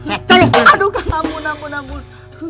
aduh kamu namun namun namun